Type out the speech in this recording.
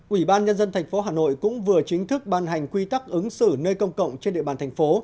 ủy ban nhân dân tp hà nội cũng vừa chính thức ban hành quy tắc ứng xử nơi công cộng trên địa bàn thành phố